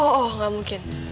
oh oh gak mungkin